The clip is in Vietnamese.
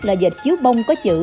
là dệt chiếu bông có chữ